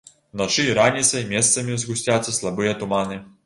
Уначы і раніцай месцамі згусцяцца слабыя туманы.